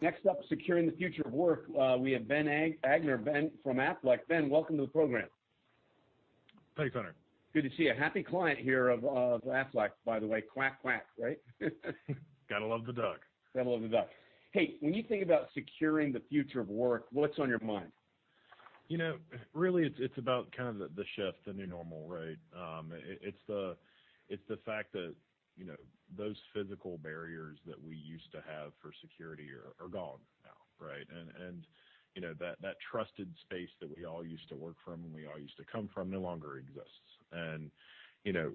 Next up, securing the future of work, we have Ben Agner. Ben from Aflac. Ben, welcome to the program. Thanks, Hunter. Good to see you. A happy client here of Aflac, by the way. Quack, quack, right? Got to love the duck. Got to love the duck. Hey, when you think about securing the future of work, what's on your mind? Really, it's about the shift, the new normal, right? It's the fact that those physical barriers that we used to have for security are gone now, right? That trusted space that we all used to work from and we all used to come from no longer exists.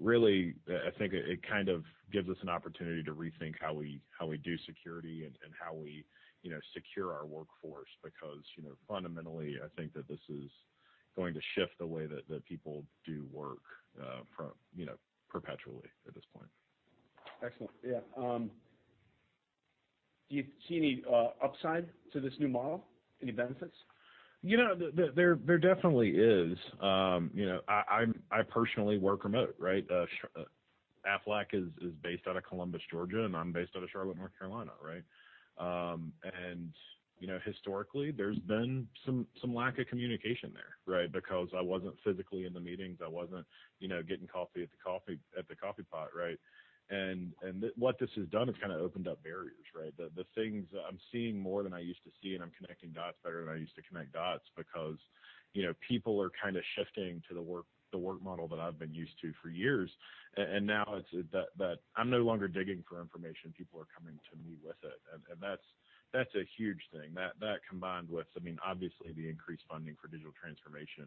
Really, I think it kind of gives us an opportunity to rethink how we do security and how we secure our workforce because, fundamentally, I think that this is going to shift the way that people do work perpetually at this point. Excellent. Yeah. Do you see any upside to this new model? Any benefits? There definitely is. I personally work remote, right? Aflac is based out of Columbus, Georgia, and I'm based out of Charlotte, North Carolina, right? Historically, there's been some lack of communication there, right? Because I wasn't physically in the meetings. I wasn't getting coffee at the coffee pot, right? What this has done is opened up barriers, right? The things that I'm seeing more than I used to see, and I'm connecting dots better than I used to connect dots because people are shifting to the work model that I've been used to for years. Now I'm no longer digging for information. People are coming to me with it, and that's a huge thing. That combined with, obviously, the increased funding for digital transformation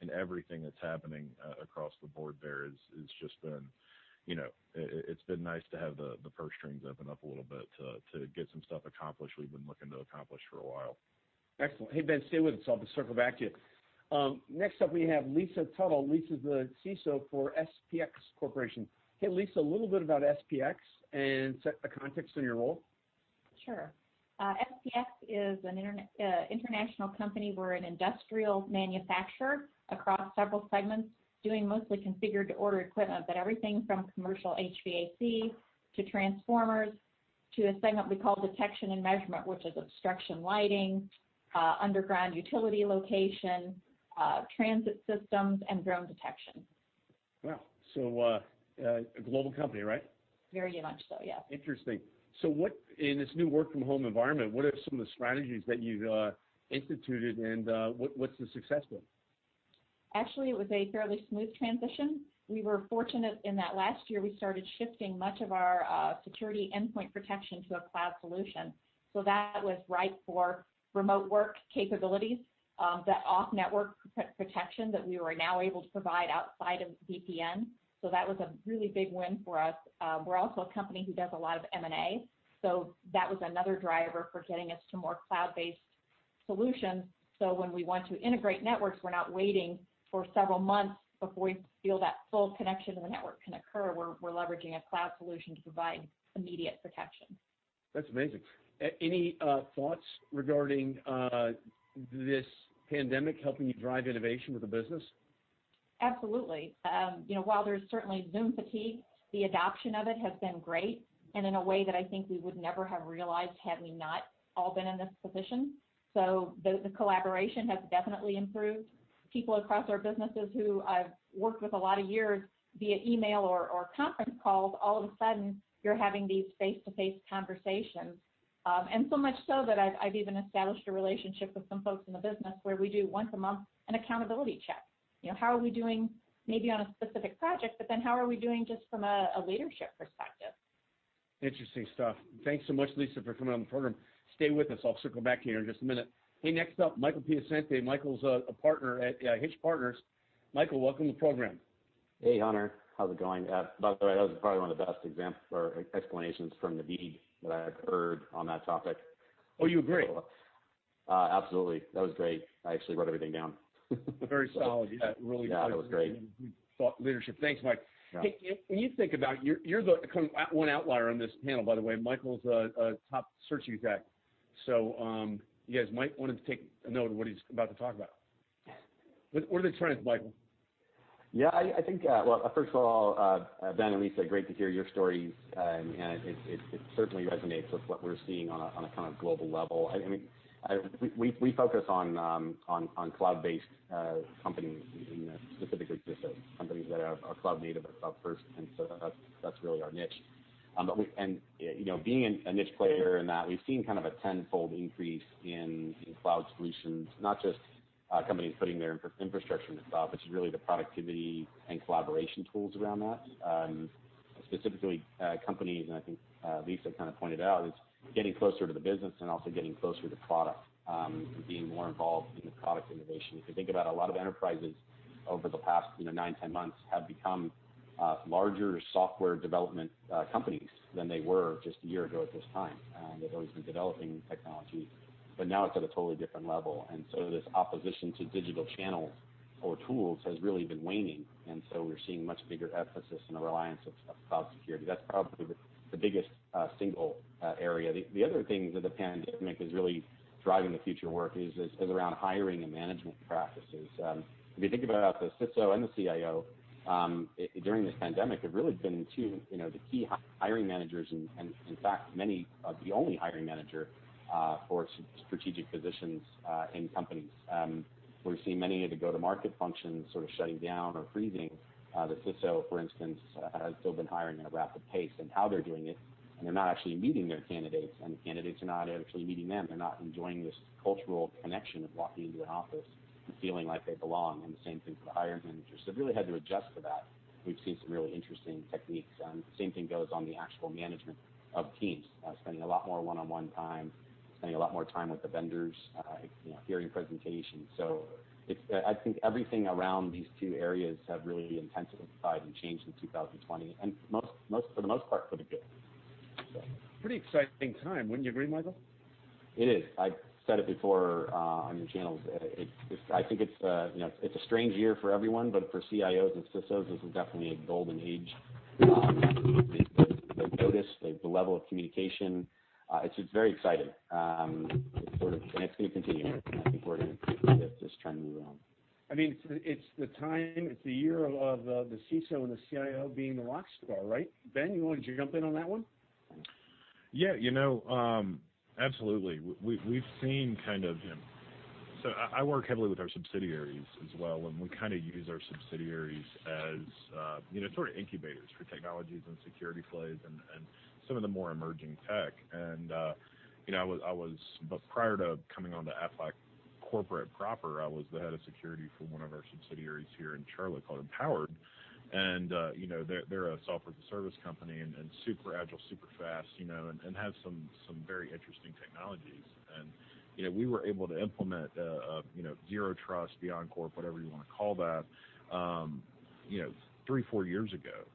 and everything that's happening across the board there, it's been nice to have the purse strings open up a little bit to get some stuff accomplished we've been looking to accomplish for a while. Excellent. Hey, Ben, stay with us. I'll circle back to you. Next up, we have Lisa Tuttle. Lisa is the CISO for SPX Corporation. Hey, Lisa, a little bit about SPX and set the context on your role. Sure. SPX is an international company. We're an industrial manufacturer across several segments, doing mostly configured-to-order equipment, but everything from commercial HVAC to transformers to a segment we call detection and measurement, which is obstruction lighting, underground utility location, transit systems, and drone detection. Wow. A global company, right? Very much so, yeah. Interesting. In this new work-from-home environment, what are some of the strategies that you've instituted, and what's the success been? Actually, it was a fairly smooth transition. We were fortunate in that last year, we started shifting much of our security endpoint protection to a cloud solution, that was ripe for remote work capabilities, that off-network protection that we were now able to provide outside of VPN. That was a really big win for us. We're also a company who does a lot of M&A, that was another driver for getting us to more cloud-based solutions, when we want to integrate networks, we're not waiting for several months before we feel that full connection to the network can occur. We're leveraging a cloud solution to provide immediate protection. That's amazing. Any thoughts regarding this pandemic helping you drive innovation with the business? Absolutely. While there's certainly Zoom fatigue, the adoption of it has been great, in a way that I think we would never have realized had we not all been in this position. The collaboration has definitely improved. People across our businesses who I've worked with a lot of years via email or conference calls, all of a sudden, you're having these face-to-face conversations. So much so that I've even established a relationship with some folks in the business where we do once a month an accountability check. How are we doing maybe on a specific project, how are we doing just from a leadership perspective? Interesting stuff. Thanks so much, Lisa, for coming on the program. Stay with us. I'll circle back to you in just a minute. Hey, next up, Michael Piacente. Michael's a partner at Hitch Partners. Michael, welcome to the program. Hey, Hunter. How's it going? By the way, that was probably one of the best examples or explanations from the [VD] that I have heard on that topic. Oh, you agree? Absolutely. That was great. I actually wrote everything down. Very solid. Yeah, Yeah, that was great. Good thought leadership. Thanks, Mike. Yeah. Hey, when you think about it, you're the one outlier on this panel, by the way. Michael's a top search exec. You guys might want to take a note of what he's about to talk about. What are the trends, Michael? Yeah, I think, well, first of all, Ben and Lisa, great to hear your stories. It certainly resonates with what we're seeing on a kind of global level. We focus on cloud-based companies, specifically companies that are cloud-native or cloud-first, that's really our niche. Being a niche player in that, we've seen kind of a tenfold increase in cloud solutions, not just companies putting their infrastructure in the cloud, but just really the productivity and collaboration tools around that. Specifically companies, and I think Lisa kind of pointed out, is getting closer to the business and also getting closer to product, and being more involved in the product innovation. If you think about a lot of enterprises over the past nine, 10 months have become larger software development companies than they were just a year ago at this time. They've always been developing technology, but now it's at a totally different level. This opposition to digital channels or tools has really been waning, we're seeing much bigger emphasis and a reliance of cloud security. That's probably the biggest single area. The other thing that the pandemic has really driving the future of work is around hiring and management practices. If you think about the CISO and the CIO, during this pandemic, they've really been the two key hiring managers and, in fact, many are the only hiring manager for strategic positions in companies. We're seeing many of the go-to-market functions sort of shutting down or freezing. The CISO, for instance, has still been hiring at a rapid pace. How they're doing it, they're not actually meeting their candidates, and the candidates are not actually meeting them. They're not enjoying this cultural connection of walking into an office and feeling like they belong, and the same thing for the hiring managers. They've really had to adjust to that. We've seen some really interesting techniques. Same thing goes on the actual management of teams. Spending a lot more one-on-one time, spending a lot more time with the vendors, hearing presentations. I think everything around these two areas have really intensified and changed in 2020, and for the most part, for the good. Pretty exciting time, wouldn't you agree, Michael? It is. I've said it before on your channels. I think it's a strange year for everyone, but for CIOs and CISOs, this is definitely a golden age. The notice, the level of communication, it's very exciting. It's going to continue, and I think we're going to just try and move on. It's the time, it's the year of the CISO and the CIO being the rock star, right? Ben, you want to jump in on that one? Absolutely. I work heavily with our subsidiaries as well, we kind of use our subsidiaries as sort of incubators for technologies and security plays and some of the more emerging tech. Prior to coming onto Aflac corporate proper, I was the head of security for one of our subsidiaries here in Charlotte called Empowered. They're a software service company, super agile, super fast, and have some very interesting technologies. We were able to implement Zero Trust, BeyondCorp, whatever you want to call that three, four years ago.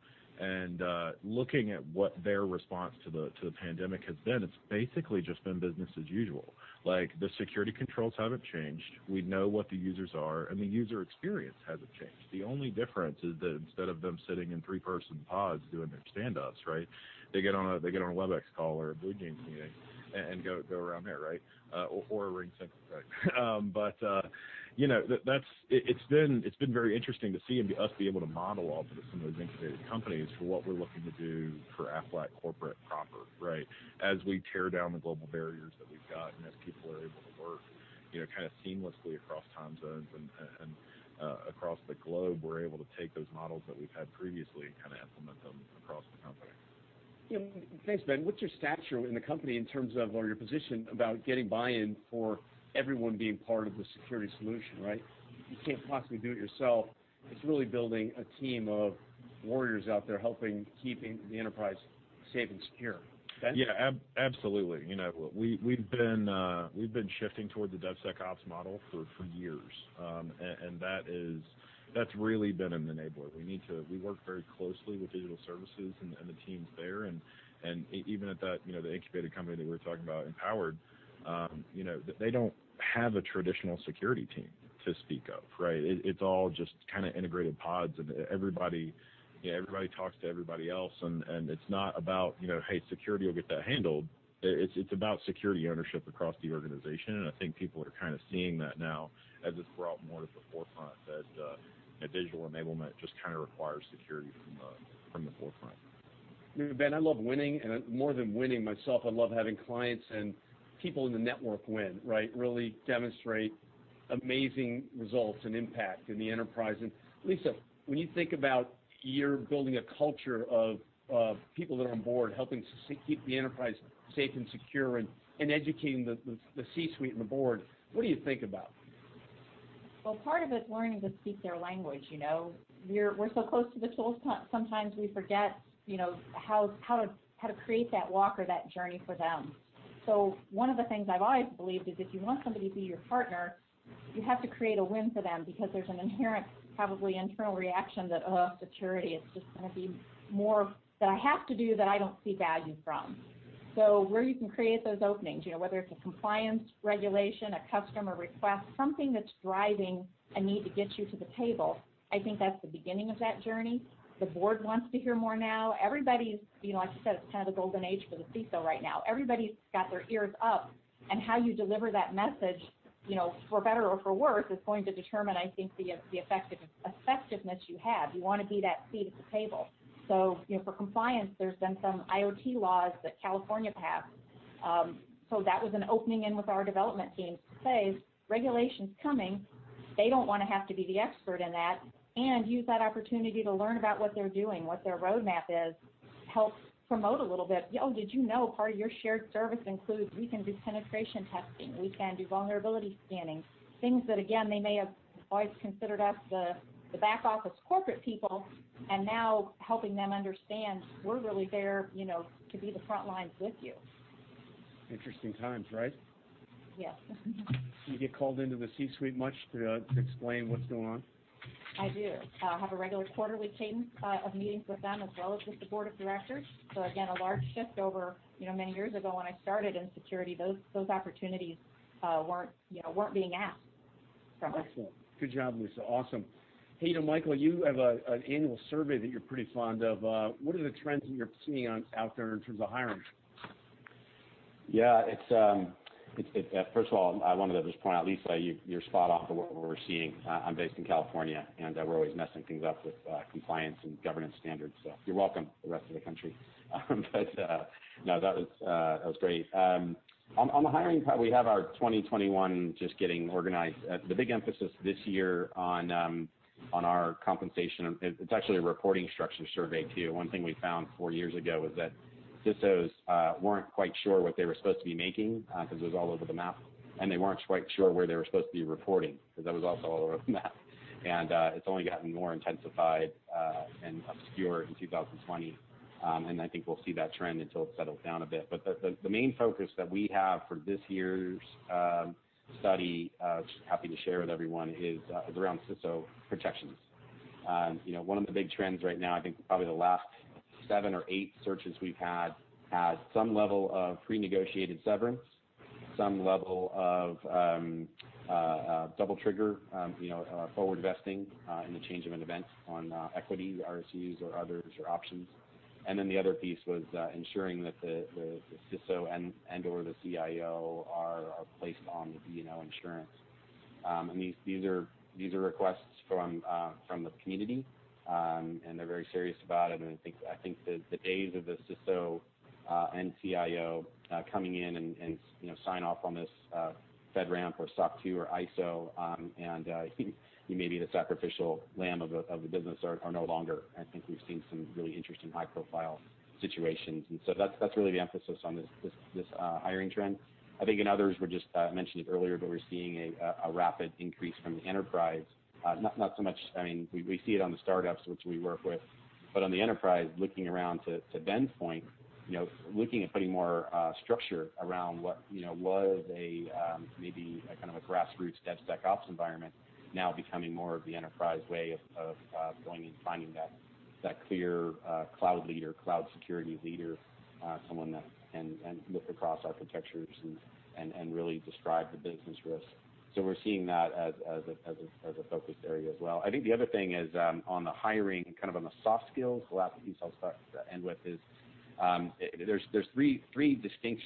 Looking at what their response to the pandemic has been, it's basically just been business as usual. The security controls haven't changed. We know what the users are, the user experience hasn't changed. The only difference is that instead of them sitting in three-person pods doing their standups, they get on a Webex call or a BlueJeans meeting and go around there. A RingCentral. It's been very interesting to see us be able to model off of some of those incubated companies for what we're looking to do for Aflac corporate proper. We tear down the global barriers that we've got, as people are able to work kind of seamlessly across time zones and across the globe, we're able to take those models that we've had previously and kind of implement them across the company. Thanks, Ben. What's your stature in the company in terms of, or your position about getting buy-in for everyone being part of the security solution? You can't possibly do it yourself. It's really building a team of warriors out there helping keeping the enterprise safe and secure. Ben? Absolutely. We've been shifting toward the DevSecOps model for years. That's really been an enabler. We work very closely with digital services and the teams there. Even at the incubated company that we were talking about, Empowered, they don't have a traditional security team to speak of. It's all just kind of integrated pods and everybody talks to everybody else. It's not about, "Hey, security will get that handled." It's about security ownership across the organization, I think people are kind of seeing that now as it's brought more to the forefront, that digital enablement just kind of requires security from the forefront. Ben, I love winning, more than winning myself, I love having clients and people in the network win. Really demonstrate amazing results and impact in the enterprise. Lisa, when you think about you're building a culture of people that are on board helping to keep the enterprise safe and secure and educating the C-suite and the board, what do you think about? Well, part of it's learning to speak their language. We're so close to the tools, sometimes we forget how to create that walk or that journey for them. One of the things I've always believed is if you want somebody to be your partner, you have to create a win for them because there's an inherent, probably internal reaction that, "Ugh, security. It's just going to be more that I have to do that I don't see value from." Where you can create those openings, whether it's a compliance regulation, a customer request, something that's driving a need to get you to the table, I think that's the beginning of that journey. The board wants to hear more now. Like you said, it's kind of the golden age for the CISO right now. Everybody's got their ears up, how you deliver that message, for better or for worse, is going to determine, I think, the effectiveness you have. You want to be that seat at the table. For compliance, there's been some IoT laws that California passed. That was an opening in with our development team to say, "Regulation's coming." They don't want to have to be the expert in that, use that opportunity to learn about what they're doing, what their roadmap is. Help promote a little bit. "Oh, did you know part of your shared service includes we can do penetration testing, we can do vulnerability scanning?" Things that, again, they may have always considered us the back office corporate people, now helping them understand we're really there to be the front lines with you. Interesting times, right? Yes. Do you get called into the C-suite much to explain what's going on? I do. I have a regular quarterly cadence of meetings with them, as well as with the board of directors. Again, a large shift over many years ago when I started in security, those opportunities weren't being asked. Excellent. Good job, Lisa. Awesome. Hey, Michael, you have an annual survey that you're pretty fond of. What are the trends that you're seeing out there in terms of hiring? Yeah. First of all, I wanted to just point out, Lisa, you're spot on for what we're seeing. I'm based in California, and we're always messing things up with compliance and governance standards. You're welcome, the rest of the country. No, that was great. On the hiring front, we have our 2021 just getting organized. The big emphasis this year on our compensation, it's actually a reporting structure survey too. One thing we found four years ago was that CISOs weren't quite sure what they were supposed to be making, because it was all over the map, and they weren't quite sure where they were supposed to be reporting, because that was also all over the map. It's only gotten more intensified and obscured in 2020. I think we'll see that trend until it settles down a bit. The main focus that we have for this year's study, which I'm happy to share with everyone, is around CISO protections. One of the big trends right now, I think probably the last seven or eight searches we've had some level of pre-negotiated severance, some level of double trigger, forward vesting in the change of an event on equity, RSUs or others, or options. Then the other piece was ensuring that the CISO and/or the CIO are placed on the D&O insurance. These are requests from the community, and they're very serious about it. I think the days of the CISO and CIO coming in and sign off on this FedRAMP or SOC 2 or ISO, and you may be the sacrificial lamb of the business are no longer. I think we've seen some really interesting high-profile situations. That's really the emphasis on this hiring trend. I think in others, we just mentioned it earlier, but we're seeing a rapid increase from the enterprise. We see it on the startups, which we work with, but on the enterprise, looking around to Ben's point, looking at putting more structure around what was maybe a kind of a grassroots DevSecOps environment, now becoming more of the enterprise way of going and finding that clear cloud leader, cloud security leader, someone that can look across architectures and really describe the business risk. We're seeing that as a focus area as well. I think the other thing is on the hiring, kind of on the soft skills, the last piece I'll end with is, there's three distinct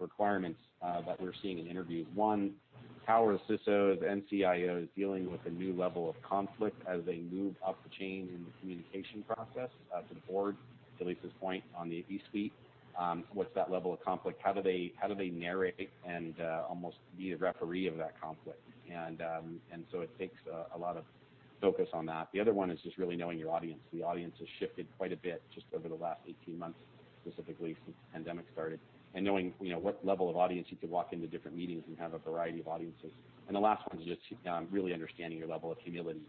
requirements that we're seeing in interviews. One, how are the CISOs, the CIOs dealing with a new level of conflict as they move up the chain in the communication process to the board, to Lisa's point, on the C-suite? What's that level of conflict? How do they narrate and almost be a referee of that conflict? It takes a lot of focus on that. The other one is just really knowing your audience. The audience has shifted quite a bit just over the last 18 months, specifically since the pandemic started. Knowing what level of audience, you could walk into different meetings and have a variety of audiences. The last one is just really understanding your level of humility.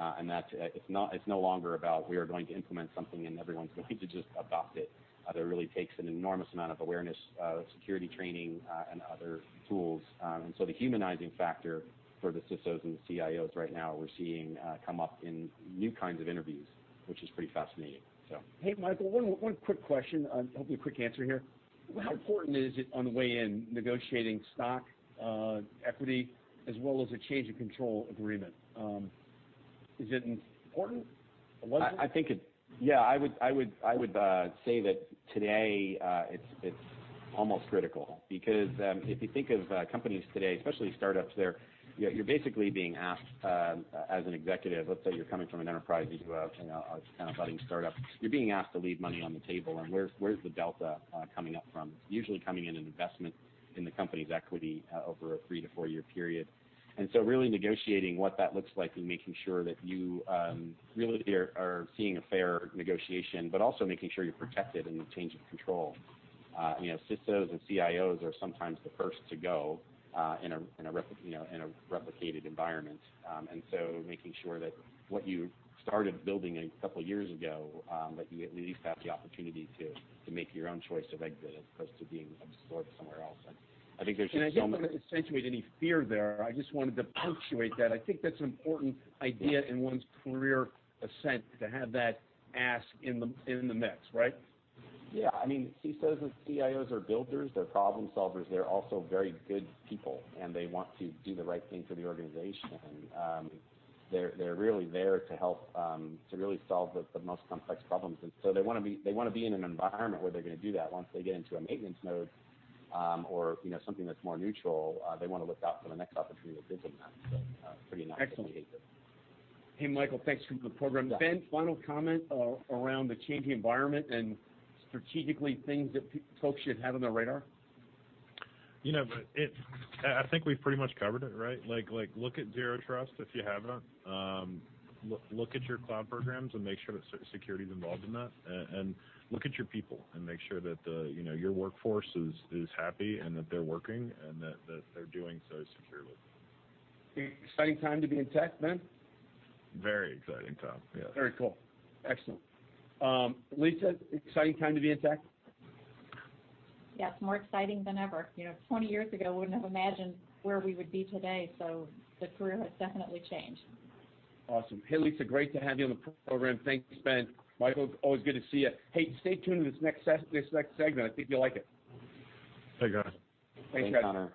It's no longer about we are going to implement something and everyone's going to just adopt it. That really takes an enormous amount of awareness, security training, and other tools. The humanizing factor for the CISOs and the CIOs right now we're seeing come up in new kinds of interviews, which is pretty fascinating. Hey, Michael, one quick question, I hope you have a quick answer here. How important is it on the way in negotiating stock, equity, as well as a change of control agreement? Is it important? I would say that today it's almost critical. If you think of companies today, especially startups, you're basically being asked as an executive, let's say you're coming from an enterprise into a budding startup. You're being asked to leave money on the table, where's the delta coming up from? It's usually coming in an investment in the company's equity over a three- to four-year period. Really negotiating what that looks like and making sure that you really are seeing a fair negotiation, but also making sure you're protected in the change of control. CISOs and CIOs are sometimes the first to go in a replicated environment. Making sure that what you started building a couple of years ago, that you at least have the opportunity to make your own choice of exit as opposed to being absorbed somewhere else. I think there's just so much I don't want to accentuate any fear there. I just wanted to punctuate that. I think that's an important idea in one's career ascent to have that ask in the mix, right? CISOs and CIOs are builders, they're problem-solvers, they're also very good people, and they want to do the right thing for the organization. They're really there to help to really solve the most complex problems. They want to be in an environment where they're going to do that. Once they get into a maintenance mode, or something that's more neutral, they want to look out for the next opportunity to build the next thing. Pretty natural behavior. Excellent. Hey, Michael, thanks for the program. Yeah. Ben, final comment around the changing environment and strategically things that folks should have on their radar? I think we've pretty much covered it, right? Look at Zero Trust if you haven't. Look at your cloud programs and make sure that security's involved in that. Look at your people and make sure that your workforce is happy, and that they're working, and that they're doing so securely. Exciting time to be in tech, Ben? Very exciting time. Yes. Very cool. Excellent. Lisa, exciting time to be in tech? Yes, more exciting than ever. 20 years ago, wouldn't have imagined where we would be today. The career has definitely changed. Awesome. Hey, Lisa, great to have you on the program. Thanks, Ben. Michael, always good to see you. Hey, stay tuned for this next segment. I think you'll like it. Thanks, guys. Thanks, Hunter.